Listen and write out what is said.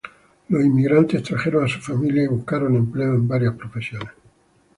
Los inmigrantes trajeron a sus familias y buscaron empleo en varias profesiones.